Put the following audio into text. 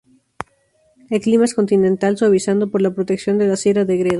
El clima es continental, suavizado por la protección de la sierra de Gredos.